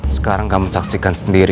sekarang kamu saksikan sendiri